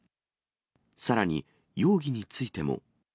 さらに、容疑についても。